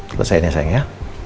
selesainya sayang ya